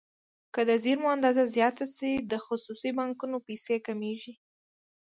که د زېرمو اندازه زیاته شي د خصوصي بانکونو پیسې کمیږي.